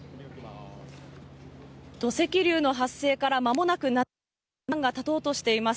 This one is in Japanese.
土石流の発生から間もなく４日がたとうとしています。